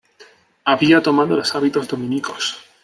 Había tomado los hábitos dominicos.